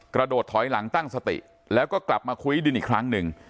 กระโดดถอยหลังตั้งสติแล้วก็กลับมาคุ้ยดินอีกครั้งหนึ่ง